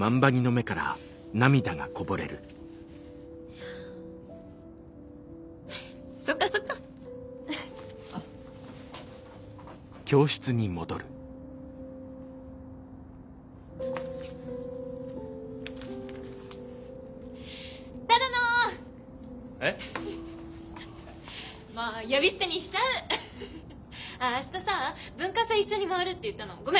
明日さあ文化祭一緒に回るって言ったのごめんなしで！